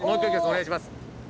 お願いします。